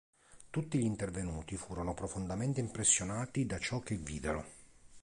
Tutti gli intervenuti furono profondamente impressionati da ciò che videro.